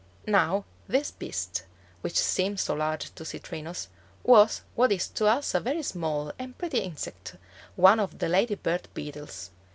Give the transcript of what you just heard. Now this beast, which seemed so large to Citrinus, was what is to us a very small and pretty insect, one of the lady bird beetles.